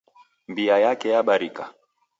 Mbiya yake yabarika.